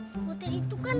pak putri itu kan